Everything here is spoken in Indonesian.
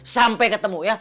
sampai ketemu ya